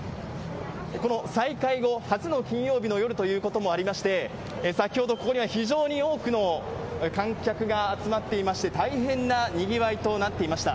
この再開後初の金曜日の夜ということもありまして、先ほど、ここには非常に多くの観客が集まっていまして、大変なにぎわいとなっていました。